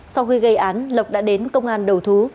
sau khi gây án lộc đã đến công an đầu thú